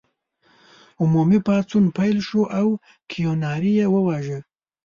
عمومي پاڅون پیل شو او کیوناري یې وواژه.